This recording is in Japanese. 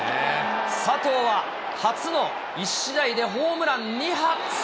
佐藤は初の１試合でホームラン２発。